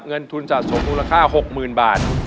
เงินทุนสะสมมูลค่า๖๐๐๐บาท